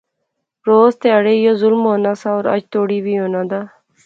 روز تہاڑے یو ظلم ہونا سا اور اج توڑی وی ہونا دا